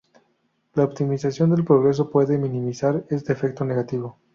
La optimización del proceso puede minimizar este efecto negativo.